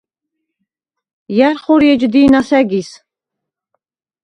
ჲა̈რ ხორი ეჯ დი̄ნას ა̈გის?